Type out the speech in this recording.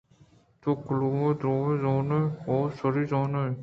تو کلام ءَ دیریں زانئے؟ ہئو! شریءَ زانین ئے